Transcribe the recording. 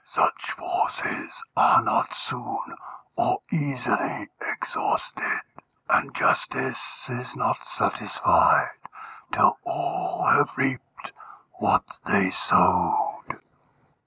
Such forces are not soon or easily exhausted, and justice is not satisfied till all have reaped what they sowed."